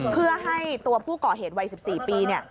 เพื่อให้ตัวผู้ก่อเหตุวัย๑๔ปี